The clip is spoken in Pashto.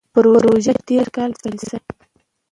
پروژه تېر کال پیل شوه.